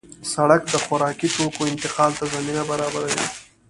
سړک د خوراکي توکو انتقال ته زمینه برابروي.